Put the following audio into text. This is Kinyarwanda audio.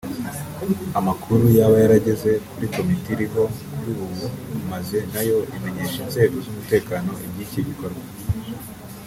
amakuru yaba yarageze kuri komite iriho kuri ubu maze nayo imenyesha inzego z’umutekano iby’icyo gikorwa